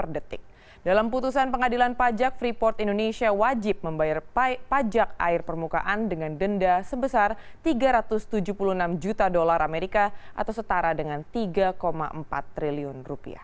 dalam putusan pengadilan pajak freeport indonesia wajib membayar pajak air permukaan dengan denda sebesar rp tiga ratus tujuh puluh enam juta dolar amerika atau setara dengan rp tiga empat triliun